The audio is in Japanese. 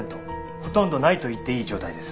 ほとんどないと言っていい状態です。